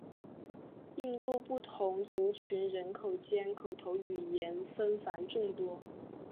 印度不同族群人口间口头语言纷繁众多。